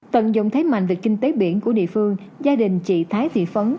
tận dụng thế mạnh về kinh tế biển của địa phương gia đình chị thái thị phấn